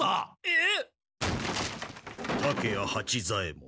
えっ！？